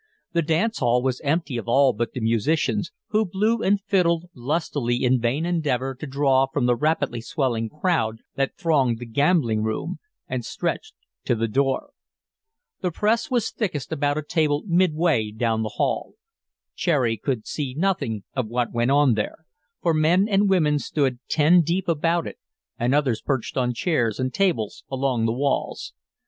The dance hall was empty of all but the musicians, who blew and fiddled lustily in vain endeavor to draw from the rapidly swelling crowd that thronged the gambling room and stretched to the door. The press was thickest about a table midway down the hall. Cherry could see nothing of what went on there, for men and women stood ten deep about it and others perched on chairs and tables along the walls.